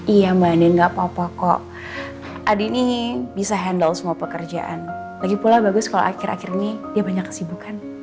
iya mbak nin gak apa apa kok adik ini bisa handle semua pekerjaan lagi pula bagus kalau akhir akhir ini dia banyak kesibukan